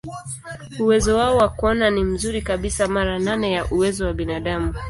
Uwezo wao wa kuona ni mzuri kabisa, mara nane ya uwezo wa binadamu.